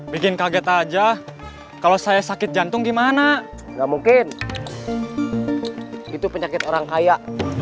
bikin kaget aja kalau saya sakit jantung gimana gak mungkin itu penyakit orang kaya